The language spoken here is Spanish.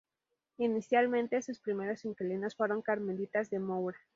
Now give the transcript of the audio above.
Inicialmente, sus primeros inquilinos fueron carmelitas de Moura.